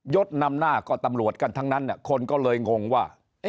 นำหน้าก็ตำรวจกันทั้งนั้นคนก็เลยงงว่า